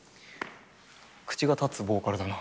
「口が立つボーカルだな」